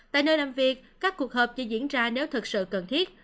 tại nơi làm việc các cuộc họp chỉ diễn ra nếu thực sự cần thiết